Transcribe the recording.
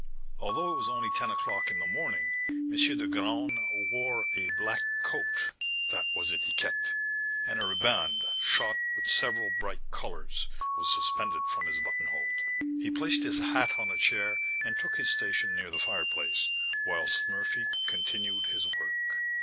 Although it was only ten o'clock in the morning, M. de Graün wore a black coat, that was etiquette, and a riband, shot with several bright colours, was suspended from his buttonhole. He placed his hat on a chair and took his station near the fireplace, whilst Murphy continued his work.